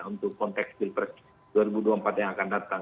untuk konteks pilpres dua ribu dua puluh empat yang akan datang